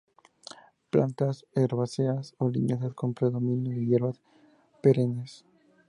Plantas herbáceas o leñosas con predominio de hierbas perennes.